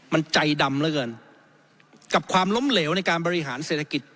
มันใจดำเหลือเกินกับความล้มเหลวในการบริหารเศรษฐกิจ